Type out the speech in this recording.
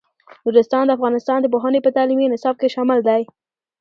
نورستان د افغانستان د پوهنې په تعلیمي نصاب کې شامل دی.